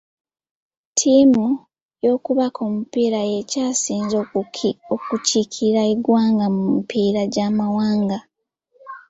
Ttiimu y'okubaka omupiira yeekyasinze okukiikirira eggwanga mu mipiira gy'amawanga.